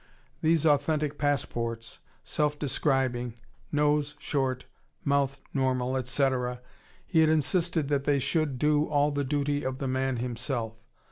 These authentic passports, self describing: nose short, mouth normal, etc.; he had insisted that they should do all the duty of the man himself.